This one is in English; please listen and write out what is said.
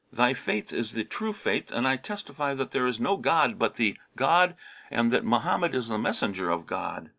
Thy faith is the True Faith and I testify that there is no god but the God and that Mohammed is the Messenger of God!'